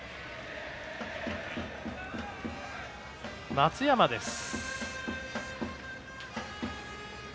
松山です。